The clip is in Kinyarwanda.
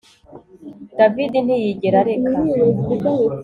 David ntiyigera areka